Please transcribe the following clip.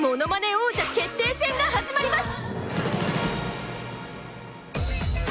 王者決定戦が始まります！